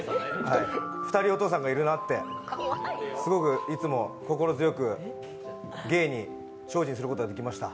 ２人お父さんがいるなってすごくいつも心強く芸に精進することができました。